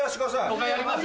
５回やります？